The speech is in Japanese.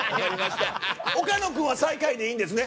岡野君は最下位でいいんですね？